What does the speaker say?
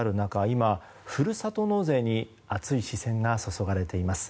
今、ふるさと納税に熱い視線が注がれています。